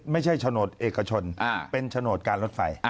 โฉนดเอกชนเป็นโฉนดการรถไฟ